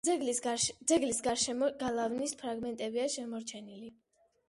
ძეგლის გარშემო გალავნის ფრაგმენტებია შემორჩენილი.